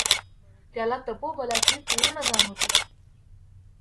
त्याला तपोबलाची पूर्ण जाण होती.